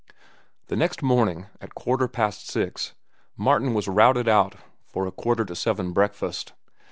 The next morning, at quarter past six, Martin was routed out for a quarter to seven breakfast.